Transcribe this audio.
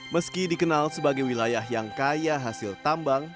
meski dikenal sebagai wilayah yang kaya hasil tambang